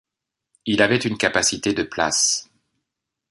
Il avait une capacité de places.